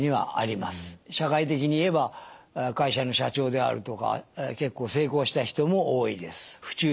社会的に言えば会社の社長であるとか結構成功した人も多いです。